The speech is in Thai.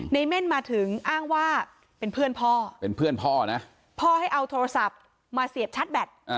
ในเม่นมาถึงอ้างว่าเป็นเพื่อนพ่อพ่อให้เอาโทรศัพท์มาเสียบชัดแบต